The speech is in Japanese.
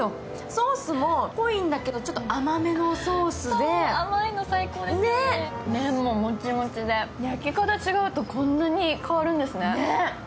ソースも濃いんだけど、ちょっと甘めのソースで、麺も、もちもちで焼き方変わるとこんなに違うんですね。